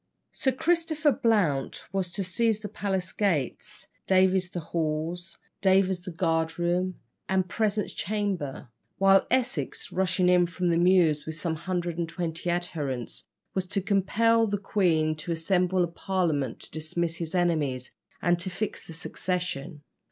Sir Christopher Blount was to seize the palace gates, Davies the hall, Davers the guard room and presence chamber, while Essex, rushing in from the Mews with some hundred and twenty adherents, was to compel the queen to assemble a parliament to dismiss his enemies, and to fix the succession.